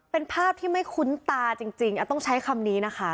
เป็นภาพที่ไม่คุ้นตาจริงต้องใช้คำนี้นะคะ